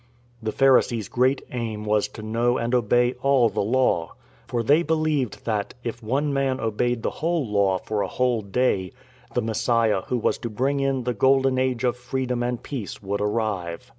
The Pharisees' great aim was to know and obey all the Law; for they believed that, if one man obeyed the whole Law for a whole day, the Messiah who was to bring in the Golden Age of freedom and peace would arrive.